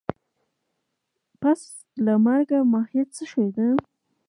د پس له مرګه ژوند ماهيت څه شی دی؟